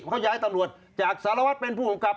เขาย้ายตำรวจจากสารวัตรเป็นผู้กำกับ